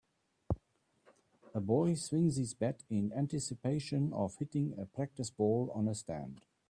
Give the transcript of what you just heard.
A boy swings his bat in anticipation of hitting a practice ball on a stand.